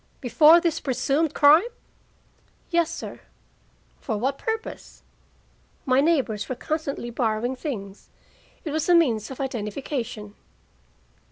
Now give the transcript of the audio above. "Before this presumed crime?" "Yes, sir." "For what purpose?" "My neighbors were constantly borrowing things. It was a means of identification."